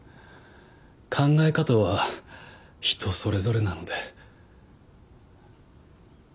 考え方は人それぞれなので。